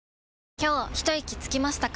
今日ひといきつきましたか？